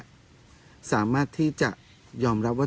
คุณลุงสามารถที่จะยอมรับว่า